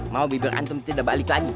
mau bibir antum tidak balik lagi